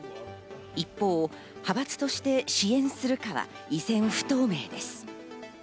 一方、派閥として支援するかは依然不透明です。